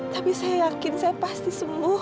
tapi saya yakin saya pasti sembuh